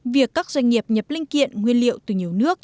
việc các doanh nghiệp nhập linh kiện nguyên liệu từ nhiều nước